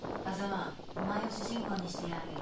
硲お前を主人公にしてやるよ。